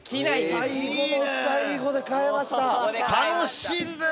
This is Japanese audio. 最後の最後で変えました。